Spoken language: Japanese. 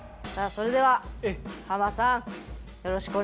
それではハマさんよろしくお願いいたします。